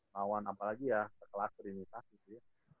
lawan apalagi ya sekelas trinitas gitu